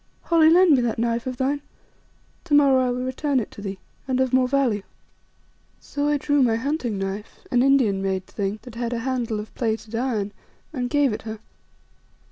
"Holly, lend me that knife of thine, to morrow I will return it to thee, and of more value." So I drew my hunting knife, an Indian made thing, that had a handle of plated iron, and gave it her.